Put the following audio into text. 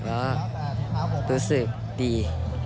ก็รู้สึกดี